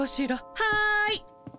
はい。